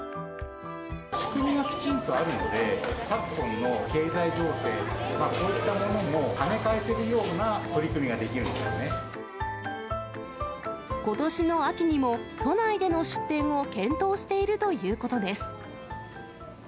仕組みがきちんとあるので、昨今の経済情勢、そういったものもはね返せるような取り組みがでことしの秋にも、都内での出店を検討しているということです。